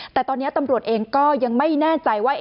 แต่ตอนนี้ตำรวจเองก็ยังไม่แน่ใจว่า